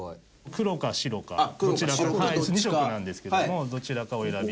黒か白かどちらか２色なんですけどもどちらかお選び頂いて。